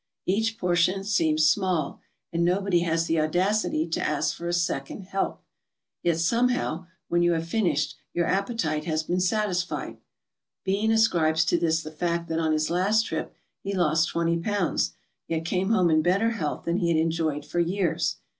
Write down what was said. ' Each portion seems small, and nobody has the audacity to ask for a second "help," yet somehow, when you have finished, your appetite has been satisfied. Bean ascribes to this the fact that on his last trip he losit twenty pounds, yet came home in better health than he had enjoyed for years.